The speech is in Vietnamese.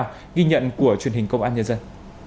như thế nào ghi nhận của truyền hình công an nhân dân